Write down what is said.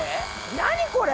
何これ？